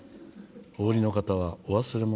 お降りの方はお忘れ物」。